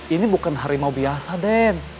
ini bukan harimau biasa den